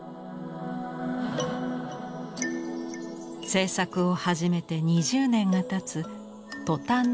制作を始めて２０年がたつ「トタンに鎹」。